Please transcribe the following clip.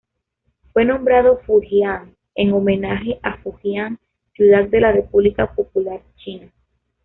Fue nombrado Fujian en homenaje a Fujian ciudad de la República Popular China.